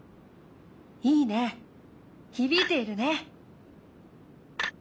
いいね響いているね。